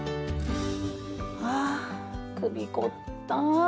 あ首凝った。